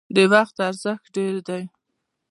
د وخت ارزښت ډیر دی